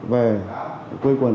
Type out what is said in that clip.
về quê quần